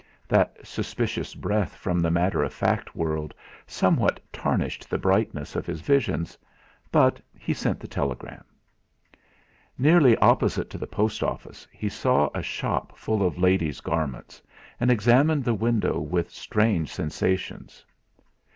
That suspicious breath from the matter of fact world somewhat tarnished the brightness of his visions. But he sent the telegram. Nearly opposite to the post office he saw a shop full of ladies' garments, and examined the window with strange sensations.